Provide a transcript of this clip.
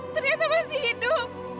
ternyata masih hidup